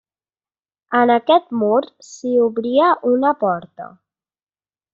En aquest mur s'hi obria una porta.